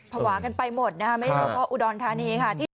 ภาวะกันไปหมดไม่เฉพาะอุดรธานี